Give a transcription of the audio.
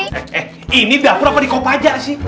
eh eh ini dapur apa dikop aja sih